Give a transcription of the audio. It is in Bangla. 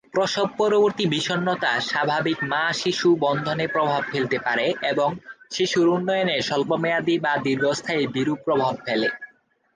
প্রসব পরবর্তী বিষণ্ণতা, স্বাভাবিক মা-শিশু বন্ধনে প্রভাব ফেলতে পারে এবং শিশুর উন্নয়নে স্বল্প মেয়াদী বা দীর্ঘস্থায়ী বিরূপ প্রভাব ফেলে।